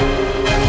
aku akan menjaga dia